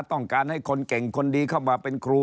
ต้องการให้คนเก่งคนดีเข้ามาเป็นครู